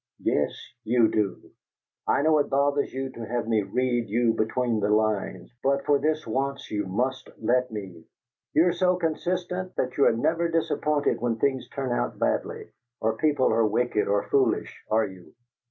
"Yes, you do! I know it bothers you to have me read you between the lines, but for this once you must let me. You are so consistent that you are never disappointed when things turn out badly, or people are wicked or foolish, are you?"